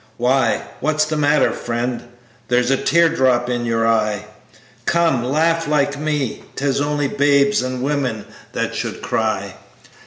Why, what's the matter, friend? There's a tear drop in you eye, Come, laugh like me. 'Tis only babes and women that should cry.